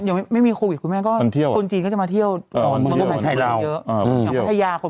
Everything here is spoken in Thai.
อย่างไม่มีคูดวิสคุณแม่ก็ควรเตียวคนชีนก็จะมาเที่ยวอ่า